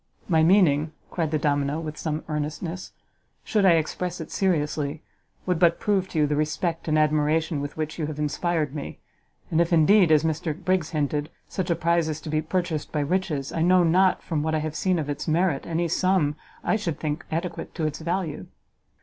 "My meaning," cried the domino, with some earnestness, "should I express it seriously, would but prove to you the respect and admiration with which you have inspired me, and if indeed, as Mr Briggs hinted, such a prize is to be purchased by riches, I know not, from what I have seen of its merit, any sum I should think adequate to its value."